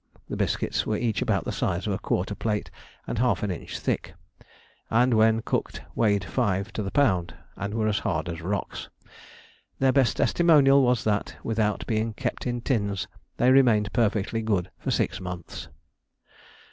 The biscuits were each about the size of a quarter plate and half an inch thick, and when cooked weighed five to the pound, and were as hard as rocks. Their best testimonial was that, without being kept in tins, they remained perfectly good for six months.